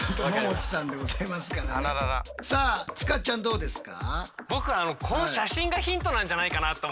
さあ塚ちゃんどうですか？